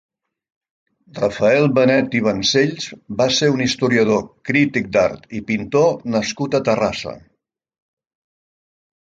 Rafael Benet i Vancells va ser un historiador, crític d'art i pintor nascut a Terrassa.